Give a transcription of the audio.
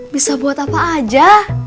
bisa buat apa aja